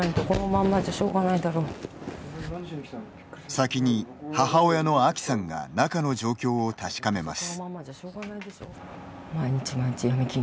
先に母親のあきさんが中の状況を確かめます。